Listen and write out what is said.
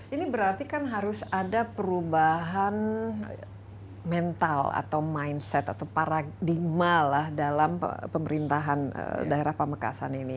ini berarti kan harus ada perubahan mental atau mindset atau paradigma lah dalam pemerintahan daerah pamekasan ini